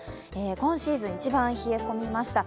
今シーズン一番冷え込みました。